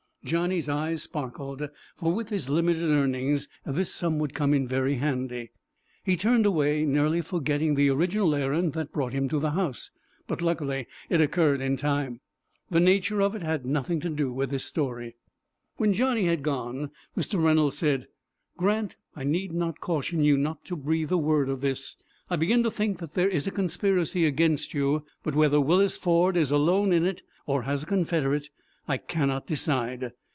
Johnny's eyes sparkled, for with his limited earnings this sum would come in very handy. He turned away, nearly forgetting the original errand that brought him to the house, but luckily it occurred in time. The nature of it has nothing to do with this story. When Johnny had gone, Mr. Reynolds said: "Grant, I need not caution you not to breathe a word of this. I begin to think that there is a conspiracy against you; but whether Willis Ford is alone in it, or has a confederate I cannot decide.